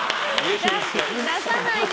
出さないで！